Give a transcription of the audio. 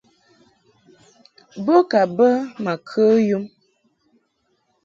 Bo ka bə ma kə yum.